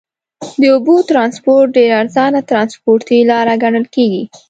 د اوبو ترانسپورت ډېر ارزانه ترنسپورټي لاره ګڼل کیږي.